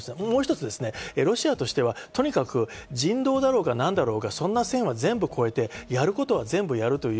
もう一つ、ロシアとしてはとにかく人道だろうがなんだろうが、そんな線は全部越えてやることは全部やる。